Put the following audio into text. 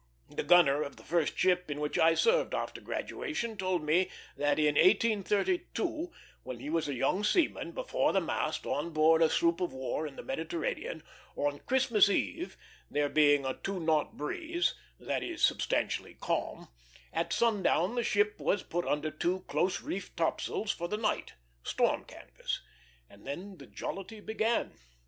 The gunner of the first ship in which I served after graduation told me that in 1832, when he was a young seaman before the mast on board a sloop of war in the Mediterranean, on Christmas Eve, there being a two knot breeze that is, substantially, calm at sundown the ship was put under two close reefed topsails for the night storm canvas and then the jollity began.